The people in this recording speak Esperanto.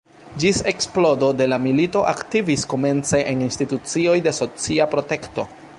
Ĝis eksplodo de la milito aktivis komence en institucioj de socia protekto.